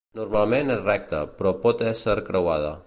Normalment és recta, però pot ésser creuada.